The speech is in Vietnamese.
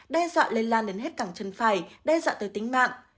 đe dọa lây lan đến hết cảng chân phải đe dọa tới tính mạng